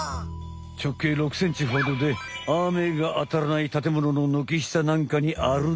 直径６センチほどであめがあたらないたてものの軒下なんかにあるでよ。